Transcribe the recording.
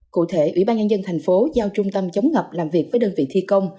cụ thể ủy ban nhân dân thành phố giao trung tâm chống ngập làm việc với đơn vị thi công